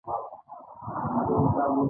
چرګ هره ورځ اذان کاوه.